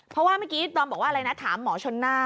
เพราะว่าเมื่อกี้ดอมบอกว่าอะไรนะถามหมอชนน่า